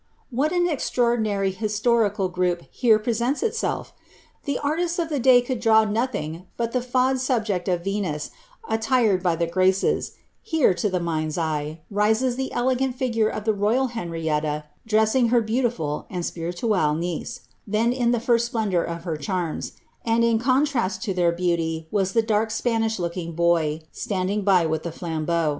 ^' What an extraordinary historical group here presents itself! Theartiiti of tlie day could draw nothing but the fade subject of Venus, attiicc by the graces ; here, to the mind's eye, rises the elegant figure of iIm royal Henrietta dressing her beautiful and spiritwlle niece, then in tbi first splendour of her charms, and, in contrast to their beauty, was tbf dark Spanish looking boy, standing by with the flambeau.